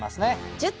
１０点。